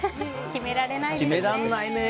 決められないね。